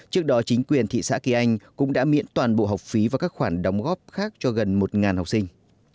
trước đó chính quyền thị xã kỳ anh cũng đã miễn toàn bộ học phí và các khoản đóng góp khác cho gần một học sinh